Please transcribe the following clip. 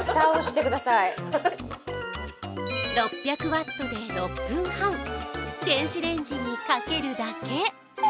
６００ワットで６分半電子レンジにかけるだけ。